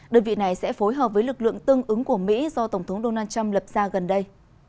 đơn vị này sẽ phối hợp với lực lượng tương ứng của mỹ do tổng thống donald trump lập ra gần đây